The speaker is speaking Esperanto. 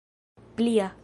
plia